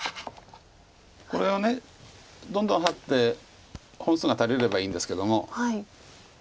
これはどんどんハッて本数が足りればいいんですけども。